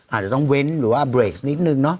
อาจจะต้องเว้นหรือว่าเบรกนิดนึงเนาะ